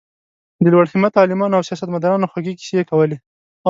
د لوړ همته عالمانو او سیاست مدارانو خوږې کیسې یې کولې.